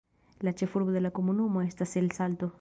La ĉefurbo de la komunumo estas El Salto.